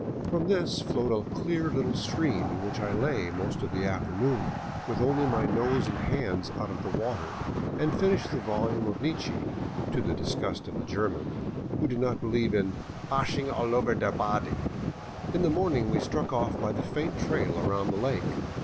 From this flowed a clear little stream in which I lay most of the afternoon with only my nose and hands out of water and finished the volume of Nietzsche, to the disgust of the German, who did not believe in " vashing all over der body." In the morning we struck off by the faint trail around the lake.